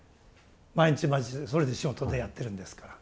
毎日毎日それで仕事でやってるんですから。